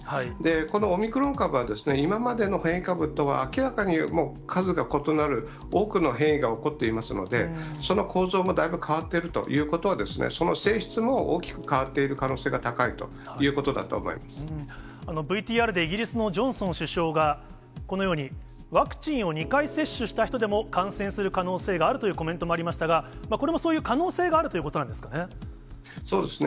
このオミクロン株は今までの変異株とは明らかにもう、数が異なる多くの変異が起こっていますので、その構造もだいぶ変わっているということは、その性質も大きく変わっている可能性が高いということだと思いまＶＴＲでイギリスのジョンソン首相が、このように、ワクチンを２回接種した人でも、感染する可能性があるというコメントもありましたが、これもそういう可能性があるということなんですかね。